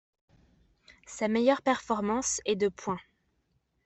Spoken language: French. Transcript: Sa meilleure performance est de points.